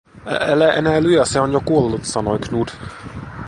"Ä-älä enää lyö, se on jo kuollu", sanoi Knut.